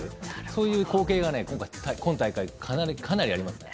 そういう光景が今大会かなりありますね。